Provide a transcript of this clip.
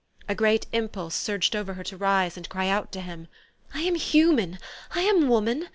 A great impulse surged over her to rise, and cry out to him, "I am human, I am woman!